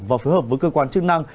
và phù hợp với cơ quan chức năng